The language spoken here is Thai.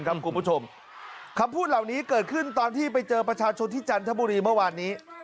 คุณผู้ชมคำพูดเหล่านี้เกิดขึ้นตอนที่ไปเจอประชาชนที่จันทบุรีเมื่อวานนี้